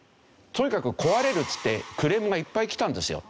とにかく「壊れる！」っつってクレームがいっぱい来たんですよ。